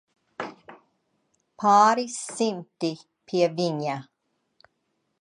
Pāris simti, pie viņa.